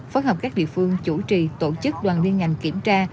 phối hợp các địa phương chủ trì tổ chức đoàn liên ngành kiểm tra